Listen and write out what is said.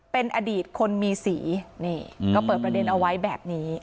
เป็นอดีตคนมีสีนี่ก็เปิดประเด็นเอาไว้แบบนี้